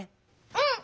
うん！